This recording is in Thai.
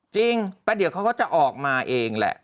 จริงแล้วเดี๋ยวเขาก็จะออกมาเองแหละ